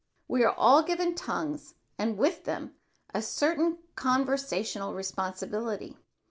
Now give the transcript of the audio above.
We are all given tongues and with them a certain conversational responsibility.